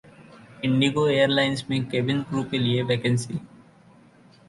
Indigo airlines में cabin crew के लिए वैकेंसी